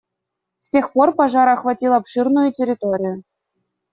С тех пор пожар охватил обширную территорию.